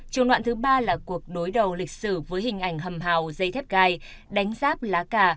trường đoạn thứ ba là cuộc đối đầu lịch sử với hình ảnh hầm hào dây thép gai đánh ráp lá cà